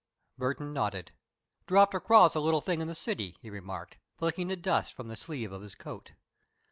Burton nodded. "Dropped across a little thing in the city," he remarked, flicking the dust from the sleeve of his coat.